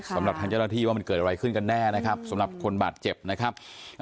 สำหรับทางเจ้าหน้าที่ว่ามันเกิดอะไรขึ้นกันแน่นะครับสำหรับคนบาดเจ็บนะครับ